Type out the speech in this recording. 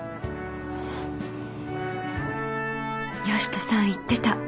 善人さん言ってた。